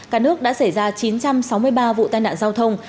cả nước đã xảy ra chín trăm sáu mươi ba vụ tai nạn giao thông